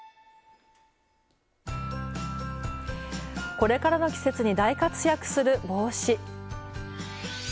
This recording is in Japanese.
これからの季節に大活躍する帽子。